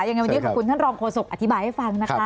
ยังไงวันนี้ขอบคุณท่านรองโฆษกอธิบายให้ฟังนะคะ